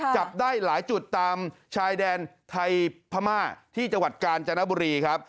จับได้หลายจุดตามชายแดนไทยพม่าที่จังหวัดกาญจนบุรีครับ